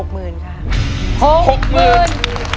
๖หมื่น๖หมื่น